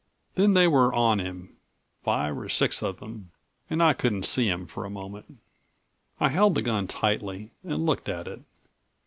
Then they were on him, five or six of them, and I couldn't see him for a moment. I held the gun tightly and looked at it.